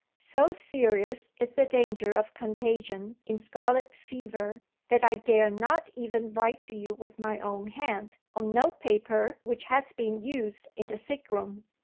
So serious is the danger of contagion in scarlet fever, that I dare not even write to you with my own hand on note paper which has been used in the sick room.